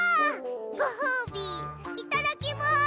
ごほうびいただきます！